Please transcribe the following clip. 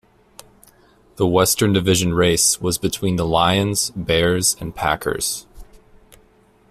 The Western Division race was between the Lions, Bears and Packers.